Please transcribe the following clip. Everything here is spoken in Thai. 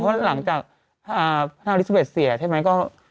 เพราะหลังจากพระนางอลิซาเบิดเสียใช่ไหม